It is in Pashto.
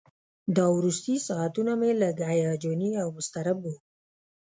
دا وروستي ساعتونه مې لږ هیجاني او مضطرب وو.